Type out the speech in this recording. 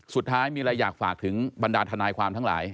สุดท้ายมีอะไรอยากฝากถึงบรรดาทนายความทั้งหลาย